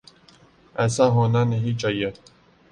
ایسا ہونا نہیں چاہیے۔